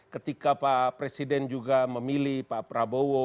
ketika pak presiden juga memilih pak prabowo